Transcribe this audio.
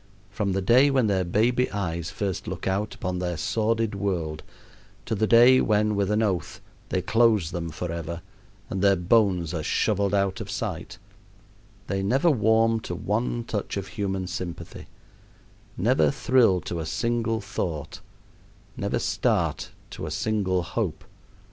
From the day when their baby eyes first look out upon their sordid world to the day when, with an oath, they close them forever and their bones are shoveled out of sight, they never warm to one touch of human sympathy, never thrill to a single thought, never start to a single hope.